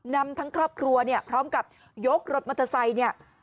นำทั้งครอบครัวพร้อมกับยกรถมอเตอร์ไซ